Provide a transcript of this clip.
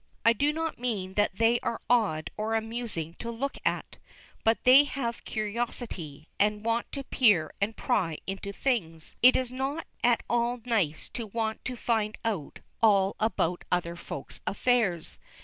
I do not mean that they are odd or amusing to look at. But they have curiosity, and want to peer and pry into things. It is not at all nice to want to find out all about other Folks' affairs.